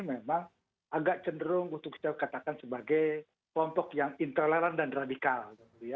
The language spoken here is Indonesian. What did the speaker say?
memang agak cenderung untuk kita katakan sebagai kelompok yang intoleran dan radikal